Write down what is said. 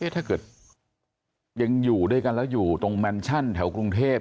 ถ้าเกิดยังอยู่ด้วยกันแล้วอยู่ตรงแมนชั่นแถวกรุงเทพ